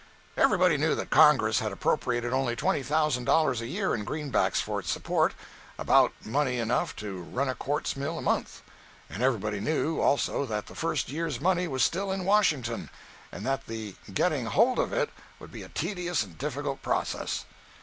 Everybody knew that Congress had appropriated only twenty thousand dollars a year in greenbacks for its support—about money enough to run a quartz mill a month. And everybody knew, also, that the first year's money was still in Washington, and that the getting hold of it would be a tedious and difficult process.